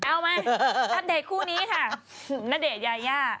เอาไหมถัดเดทคู่นี้ค่ะณเดชยา